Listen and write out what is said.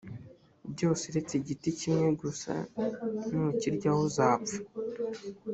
byose uretse igiti kimwe gusa nukiryaho uzapfa